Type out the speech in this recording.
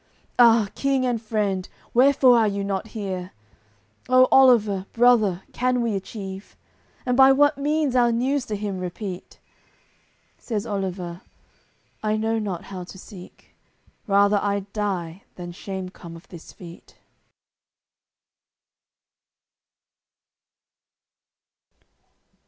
Ah! King and friend, wherefore are you not here? How, Oliver, brother, can we achieve? And by what means our news to him repeat?" Says Oliver: "I know not how to seek; Rather I'ld die than shame come of this feat."